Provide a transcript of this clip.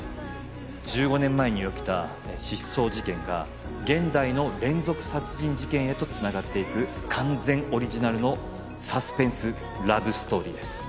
１５年前に起きた失踪事件が現代の連続殺人事件へとつながっていく完全オリジナルのサスペンスラブストーリーです